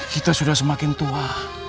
kita sudah semakin tua